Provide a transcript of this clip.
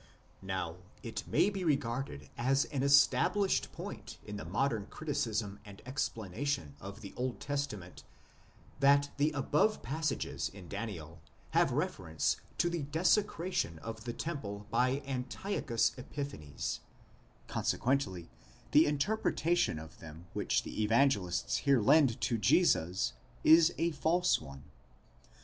Now it may be regarded as an established point in the modern criticism and explanation of the Old Testament, that the above passages in Daniel have reference to the desecration of the temple by Antiochus Epiphanes ; 1° consequently, the interpretation of them which the Evangelists here lend to Jesus is a false one.